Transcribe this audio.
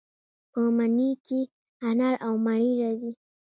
په مني کې انار او مڼې راځي.